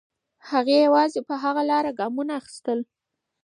هغې یوازې په هغه لاره ګامونه اخیستل.